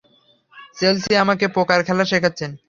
Chelsea আমাকে poker খেলা শেখাচ্ছেন।